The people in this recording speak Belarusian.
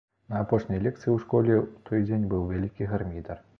На апошняй лекцыі ў школе ў той дзень быў вялікі гармідар.